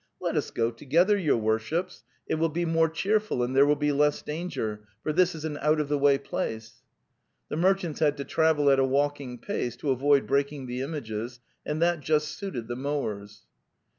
'Let us go together, your worships. It will be more cheerful and there will be less danger, for this is an out of the way place:\.).)4) Phe! 'merchants had) tol /travelijatia walking pace to avoid breaking the images, and that justisuited the mowers.)